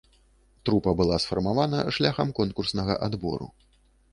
Трупа была сфармавана шляхам конкурснага адбору.